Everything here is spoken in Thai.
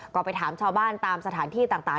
ก็ไปถามชาวบ้านตามสถานที่ต่าง